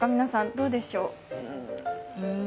どうでしょう。